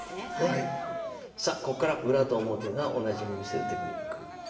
さあここから裏と表が同じに見せるテクニック。